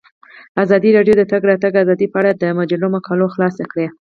ازادي راډیو د د تګ راتګ ازادي په اړه د مجلو مقالو خلاصه کړې.